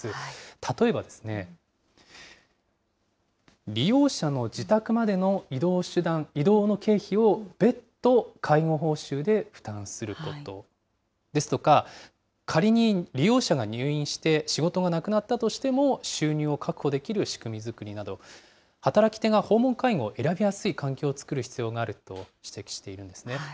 例えばですね、利用者の自宅までの移動の経費を別途介護報酬で負担することですとか、仮に利用者が入院して、仕事がなくなったとしても収入を確保できる仕組み作りなど、働き手が訪問介護を選びやすい環境を作る必要があると指摘しているんですね。